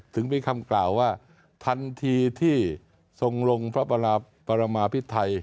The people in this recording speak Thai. ถึงมีคำกล่าวว่าทันทีที่ทรงลงพระปรมาพิไทย